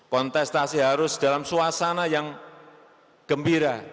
kontestasi harus dalam suasana yang gembira